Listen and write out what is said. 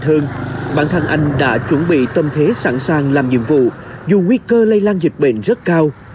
thằng anh đã chuẩn bị tâm thế sẵn sàng làm nhiệm vụ dù nguy cơ lây lan dịch bệnh rất cao